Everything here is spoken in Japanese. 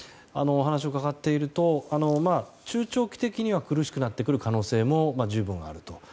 話を伺っていると中長期的には苦しくなってくる可能性も十分あると。